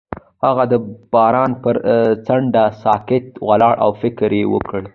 هغه د باران پر څنډه ساکت ولاړ او فکر وکړ.